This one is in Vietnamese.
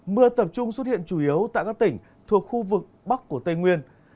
mưa tập trung xuất hiện chủ yếu tại các tỉnh thuộc khu vực bắc của tây nguyên